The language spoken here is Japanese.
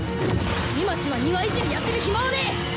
ちまちま庭いじりやってる暇はねぇ。